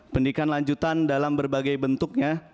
pendidikan lanjutan dalam berbagai bentuknya